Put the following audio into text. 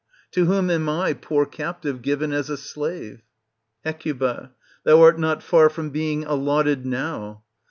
To whom am I, poor captive, given as a slave ? Hec Thou art not far from being allotted now.